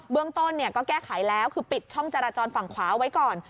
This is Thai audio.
เรื่องต้นก็แก้ไขแล้วคือปิดช่องจราจรฝั่งขวาไว้ก่อน